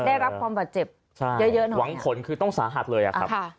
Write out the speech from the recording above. ได้รับความบาดเจ็บใช่เยอะเยอะหน่อยหวังขนคือต้องสาหัสเลยอ่ะครับค่ะ